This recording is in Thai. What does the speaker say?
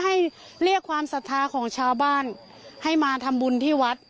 ให้เรียกความศรัทธาของชาวบ้านให้มาทำบุญที่วัด